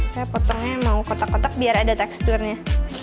saya potongnya mau kotak kotak biar ada teksturnya